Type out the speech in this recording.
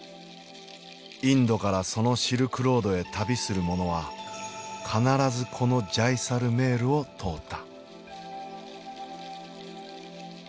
インドからそのシルクロードへ旅する者は必ずこのジャイサルメールを通った。